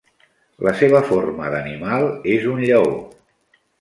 La seva forma d'animal és un lleó.